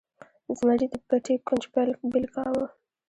زمري د پټي کونج بیل کاوه.